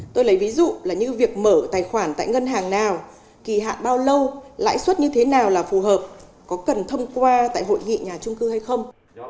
tôi lấy ví dụ là như việc mở tài khoản tại ngân hàng nào kỳ hạn bao lâu lãi suất như thế nào là phù hợp có cần thông qua tại hội nghị nhà trung cư hay không